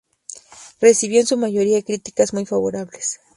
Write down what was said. Recibió en su mayoría críticas muy favorables.